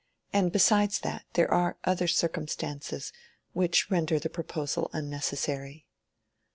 And besides that, there are other circumstances which render the proposal unnecessary."